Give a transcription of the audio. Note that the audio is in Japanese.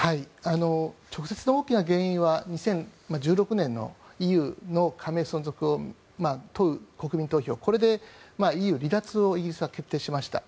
直接の大きな原因は２０１６年のＥＵの加盟存続を問う国民投票これでＥＵ離脱をイギリスは決定しました。